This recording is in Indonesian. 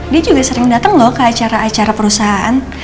dia juga sering datang loh ke acara acara perusahaan